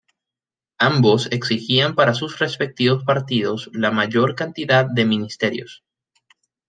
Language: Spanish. Ambos exigían para sus respectivos partidos la mayor cantidad de ministerios.